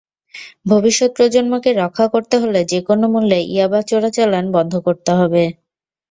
ভবিষ্যৎ প্রজন্মকে রক্ষা করতে হলে যেকোনো মূল্যে ইয়াবা চোরাচালান বন্ধ করতে হবে।